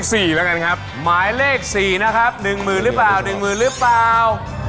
สี่แล้วกันครับหมายเลขสี่นะครับหนึ่งหมื่นหรือเปล่าหนึ่งหมื่นหรือเปล่า